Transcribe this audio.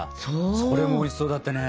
それもおいしそうだったね。